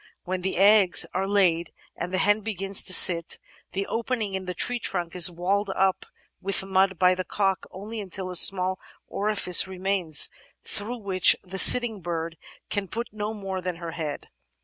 When the eggs are laid and the hen begins to sit, the opening in the tree trunk is walled up with mud by the cock until only a small orifice remains through which the sitting bird can put no more than her head.